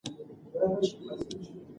غږ په خبرو کې اورېدل کېږي.